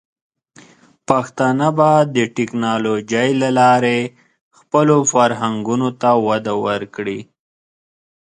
پښتانه به د ټیکنالوجۍ له لارې خپلو فرهنګونو ته وده ورکړي.